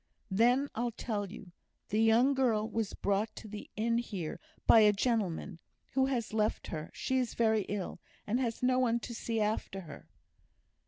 "Then I'll tell you. The young girl was brought to the inn here by a gentleman, who has left her; she is very ill, and has no one to see after her."